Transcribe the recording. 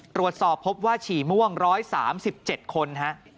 ตรวจสอบพบว่าฉี่ม่วง๑๓๗คนฮะ